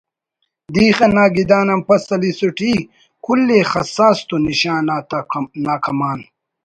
دیخہ نا گدان آن پَد سلیسُٹ ای کُل ءِ خسّاس تو نشان آتا نا کمان